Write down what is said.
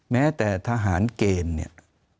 แม้แต่ทหารเกณฑ์เนี่ย